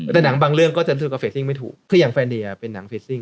แต่หนังบางเรื่องก็จะนึกว่าเฟซซิ่งไม่ถูกก็อย่างแฟนเดยเป็นนางเฟซซิ่ง